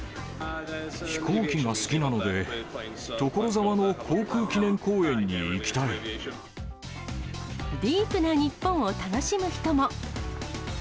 飛行機が好きなので、ディープな日本を楽しむ人も。